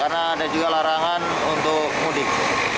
karena ada juga larangan untuk mudik